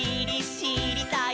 しりたい！